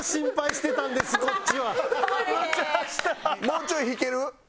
もうちょい引ける？